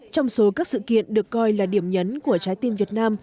trong số các sự kiện được coi là điểm nhấn của trái tim việt nam